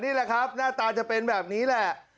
นี่แหละครับหน้าตาจะเป็นแบบนี้แหละ